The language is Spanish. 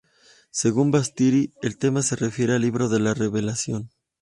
Según Battisti, el tema se refiere al "Libro de la Revelación".